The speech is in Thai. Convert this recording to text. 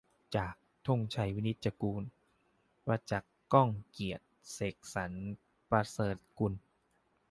จาก ธงชัย วินิจจะกูล ประจักษ์ ก้องกีรติ เสกสรรค์ ประเสริฐกุล